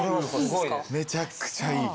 めちゃくちゃいい。